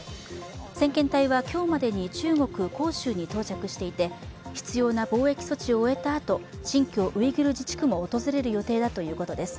先遣隊は今日までに中国・広州に到着していて必要な防疫措置を終えたあと新疆ウイグル自治区も訪れる予定だということです。